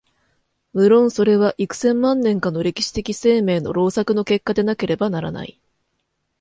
無論それは幾千万年かの歴史的生命の労作の結果でなければならない。